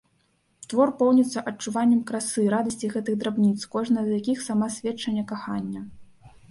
Твор поўніцца адчуваннем красы, радасці гэтых драбніц, кожная з якіх сама сведчанне кахання.